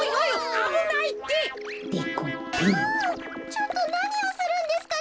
ちょっとなにをするんですか！？